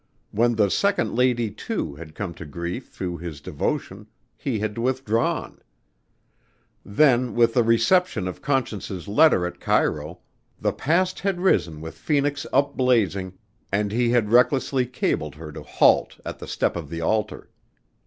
When the second lady, too, had come to grief through his devotion, he had withdrawn. Then with the reception of Conscience's letter at Cairo, the past had risen with Phoenix upblazing and he had recklessly cabled her to halt at the step of the altar.